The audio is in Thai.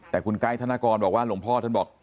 แต่คุณไกด์ธนกรบอกว่าหลวงพ่อท่านบอก